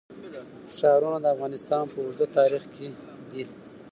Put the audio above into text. ښارونه د افغانستان په اوږده تاریخ کې دي.